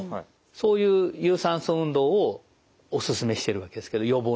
そういう有酸素運動をお勧めしてるわけですけど予防になると。